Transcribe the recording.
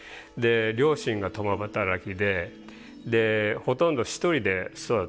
両親が共働きでほとんど一人で育ったんですね。